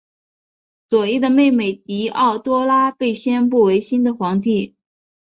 佐伊的妹妹狄奥多拉被宣布为新的皇帝。